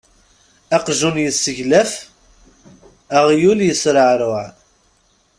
Aqjun yesseglaf, aɣyul yesreɛruɛ.